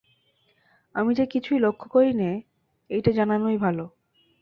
আমি যে কিছুই লক্ষ করি নে এইটে জানানোই ভালো।